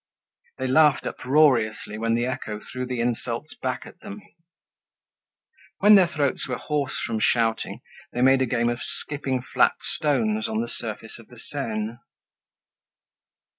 They laughed uproariously when the echo threw the insults back at them. When their throats were hoarse from shouting, they made a game of skipping flat stones on the surface of the Seine.